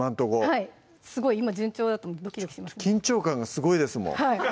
はいすごい今順調だとドキドキしますね緊張感がすごいですもん